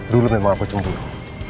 dulu memang aku cemburu